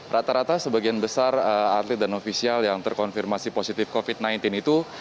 rata rata sebagian besar atlet dan ofisial yang terkonfirmasi positif covid sembilan belas itu